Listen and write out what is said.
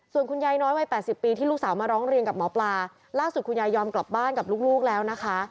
ส่วนคุณยายน้อยวัย๘๐ปีที่ลูกสาวมาร้องเรียนกับหมอปลาล่าสุดคุณยายยอมกลับบ้านกับลูกแล้วนะคะ